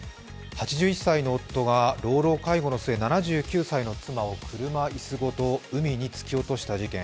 ８１歳の夫が老老介護の末７９歳の妻を車いすごと海に突き落とした事件。